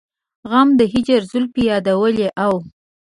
غم د هجر زلفې يادولې او